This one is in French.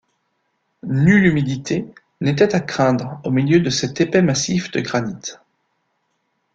Nulle humidité n’était à craindre au milieu de cet épais massif de granit.